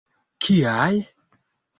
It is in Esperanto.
Kiaj!